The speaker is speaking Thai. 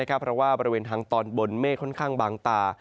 เพราะว่าบริเวณทางตอนบนเมฆค่อนข้างบางตา